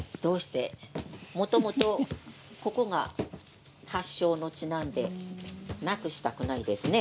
もともと、ここは発祥の地なのでなくしたくないですね。